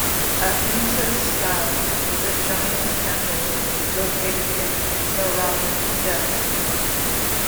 Ahinsa Sthal is a Jain temple located in Mehrauli, Delhi.